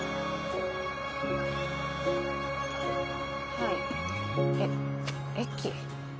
はいえっ駅？